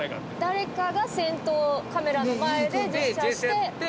誰かが先頭カメラの前でジェスチャーして？